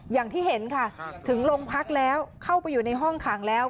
อย่างที่เห็นค่ะถึงโรงพักแล้วเข้าไปอยู่ในห้องขังแล้ว